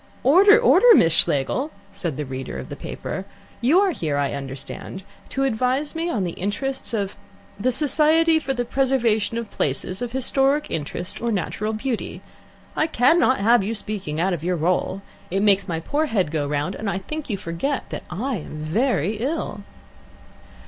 "Order, order, Miss Schlegel!" said the reader of the paper. "You are here, I understand, to advise me in the interests of the Society for the Preservation of Places of Historic Interest or Natural Beauty. I cannot have you speaking out of your role. It makes my poor head go round, and I think you forget that I am very ill."